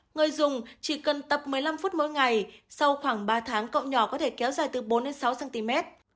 người dùng chỉ cần tập một mươi năm phút mỗi ngày sau khoảng ba tháng cậu nhỏ có thể kéo dài từ bốn sáu cm